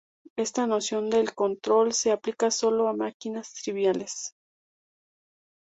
Esta noción del control se aplica solo a máquinas triviales.